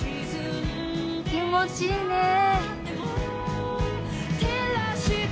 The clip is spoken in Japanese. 気持ちいいねえ